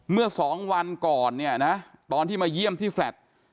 เมื่อสองวันก่อนเนี่ยนะตอนที่มาเยี่ยมที่แลต